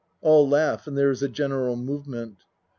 (All laugh and there is a general movement.)